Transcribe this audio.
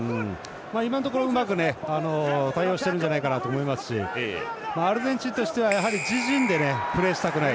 今のところうまく対応していると思いますしアルゼンチンとしては自陣でプレーしたくない。